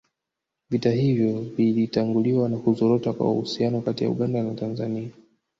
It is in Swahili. Vita hivyo vilitanguliwa na kuzorota kwa uhusiano kati ya Uganda na Tanzania